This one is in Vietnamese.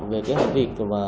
về cái việc